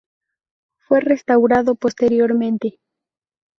Fue restaurado posteriormente.